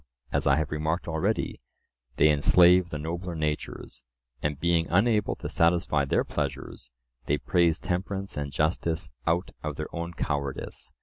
As I have remarked already, they enslave the nobler natures, and being unable to satisfy their pleasures, they praise temperance and justice out of their own cowardice.